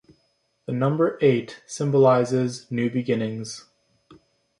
The number eight symbolizes new beginnings.